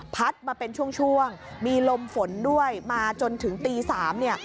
มาเป็นช่วงช่วงมีลมฝนด้วยมาจนถึงตี๓เนี่ย